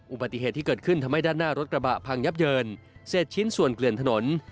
อุบัติเหตุที่เกิดขึ้นทำให้ด้านหน้ารถกระบะพังยับเยินเศษชิ้นส่วนเกลื่อนถนน